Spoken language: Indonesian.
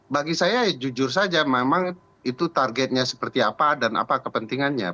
bagi saya jujur saja memang itu targetnya seperti apa dan apa kepentingannya